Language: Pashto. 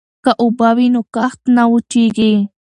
که اوبه وي نو کښت نه وچيږي.